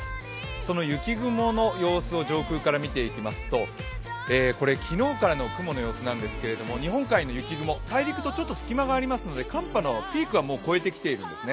その雪雲の様子を上空から見ていきますと、昨日からの雲の様子なんですけれども、日本海の雪雲、大陸とちょっと隙間がありますので寒波のピークはもう越えてきているんですね。